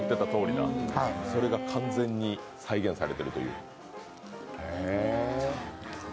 それが完全に再現されてるっていう。